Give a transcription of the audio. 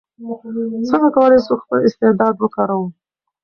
څنګه کولای سو خپل استعداد وکاروو؟